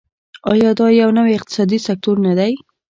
آیا دا یو نوی اقتصادي سکتور نه دی؟